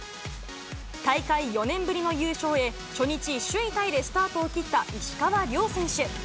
大会４年ぶりの優勝へ、初日首位タイでスタートを切った石川遼選手。